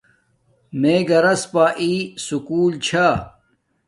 میے گھراس پا ای سُکول چھا